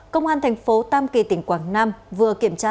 công an thành phố tam kỳ tỉnh quảng nam vừa kiểm tra